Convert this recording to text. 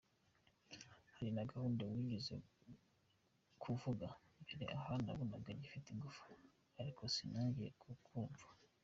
Hari ka gahunda wigeze kuvuga mbere aha nabonaga gafite ingufu, ariko sinonjyeye kukumva!!